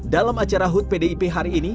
dalam acara hut pdip hari ini